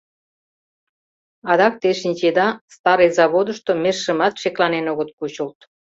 — Адак те шинчеда, Старый Заводышто межшымат шекланен огыт кучылт.